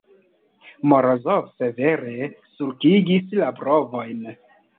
Morozov severe sulkigis la brovojn.